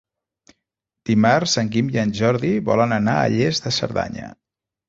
Dimarts en Guim i en Jordi volen anar a Lles de Cerdanya.